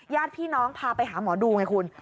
ญาติพี่น้องพาไปหาหมอดูไงคุณ